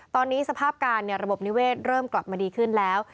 ตอนนี้สภาพการระบบนิเวศเริ่มกลับมาดีขึ้นแล้ว